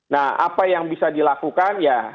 nah apa yang bisa dilakukan ya